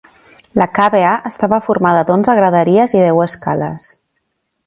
La càvea estava formada d'onze graderies i deu escales.